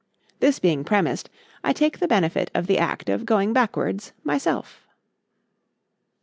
This being premised, I take the benefit of the act of going backwards myself.